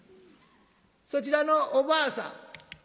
そちらのおばあさん？」。